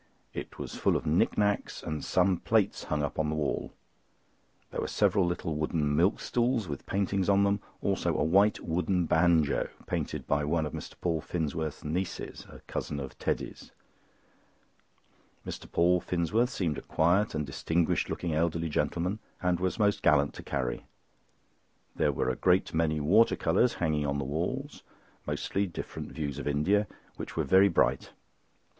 It was full of knick knacks, and some plates hung up on the wall. There were several little wooden milk stools with paintings on them; also a white wooden banjo, painted by one of Mr. Paul Finsworth's nieces—a cousin of Teddy's. Mr. Paul Finsworth seemed quite a distinguished looking elderly gentleman, and was most gallant to Carrie. There were a great many water colours hanging on the walls, mostly different views of India, which were very bright.